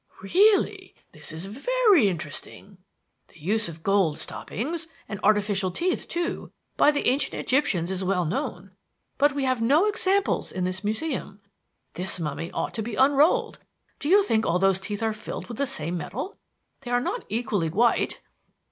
"Really! This is very interesting. The use of gold stoppings and artificial teeth, too by the ancient Egyptians is well known, but we have no examples in this Museum. This mummy ought to be unrolled. Do you think all those teeth are filled with the same metal? They are not equally white."